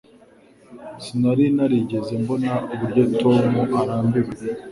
Sinari narigeze mbona uburyo Tom arambiwe